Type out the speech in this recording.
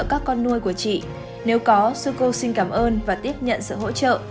các con nuôi của chị nếu có sư cô xin cảm ơn và tiếp nhận sự hỗ trợ